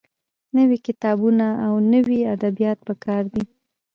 نوي کتابونه او نوي ادبيات پکار دي.